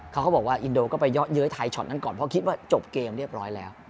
เขาก็บอกว่าอินโดก็ไปเยาะเย้ยไทยช็อตนั้นก่อนเพราะคิดว่าจบเกมเรียบร้อยแล้ว